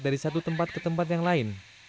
dari satu tempat ke tempat yang lain